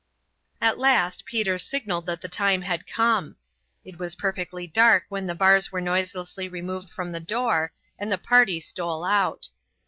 At last Peter signaled that the time had come. It was perfectly dark when the bars were noiselessly removed from the door and the party stole out.